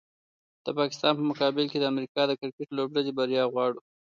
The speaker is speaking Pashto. د پاکستان په مقابل کې د امریکا د کرکټ لوبډلې بریا غواړو